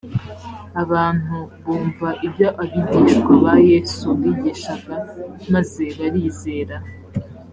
abantu bumva ibyo abigishwa ba yesu bigishaga, maze barizera